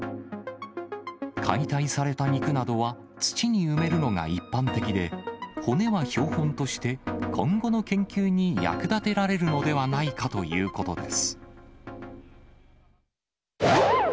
解体された肉などは土に埋めるのが一般的で、骨は標本として、今後の研究に役立てられるのではないかということです。